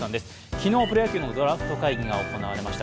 昨日プロ野球のドラフト会議が行われました。